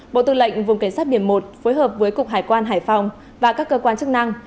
bộ tư lệnh vùng cảnh sát biển một phối hợp với cục hải quan hải phòng và các cơ quan chức năng